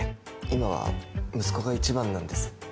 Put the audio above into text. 今は息子が一番なんです